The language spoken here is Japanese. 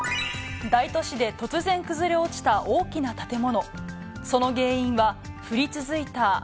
大都市で突然、崩れ落ちた大きな建物。